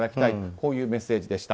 こういうメッセージでした。